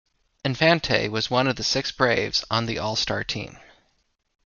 Infante was one of six Braves on the All-Star team.